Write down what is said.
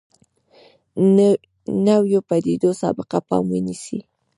نویو پدیدو سابقه پام ونیسو.